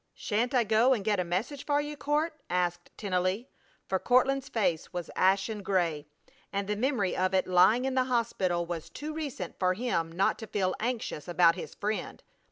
"Sha'n't I go and get a message for you, Court?" asked Tennelly. For Courtland's face was ashen gray, and the memory of it lying in the hospital was too recent for him not to feel anxious about his friend.